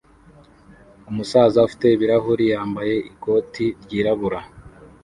Umusaza ufite ibirahuri yambaye ikoti ryirabura